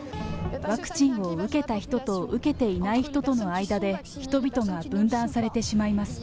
ワクチンを受けた人と受けていない人との間で、人々が分断されてしまいます。